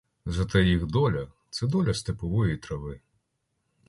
Зате їх доля — це доля степової трави.